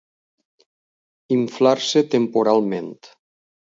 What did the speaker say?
Inflar-se temporalment.